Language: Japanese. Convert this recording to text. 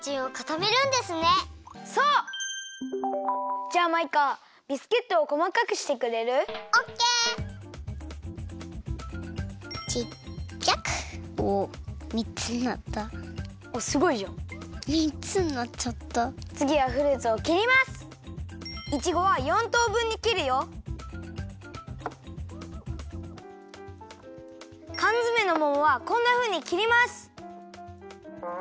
かんづめのももはこんなふうに切ります！